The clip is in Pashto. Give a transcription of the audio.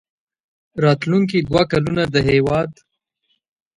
راتلونکي دوه کلونه د هېواد